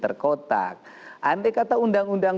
terkotak andai kata undang undang